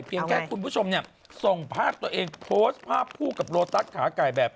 แค่คุณผู้ชมเนี่ยส่งภาพตัวเองโพสต์ภาพคู่กับโลตัสขาไก่แบบ